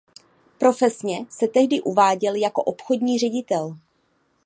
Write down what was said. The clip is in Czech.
Profesně se tehdy uváděl jako obchodní ředitel.